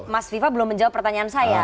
mas viva belum menjawab pertanyaan saya